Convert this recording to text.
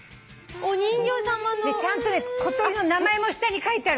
ちゃんと小鳥の名前も下に書いてあるから。